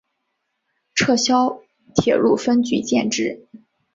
撤销铁路分局建制。